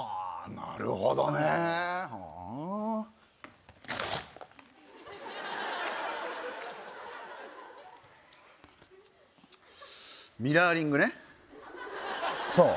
なるほどねふんミラーリングねそう